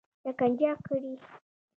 شکنجه کړي.